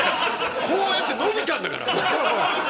こうやって伸びたんだから。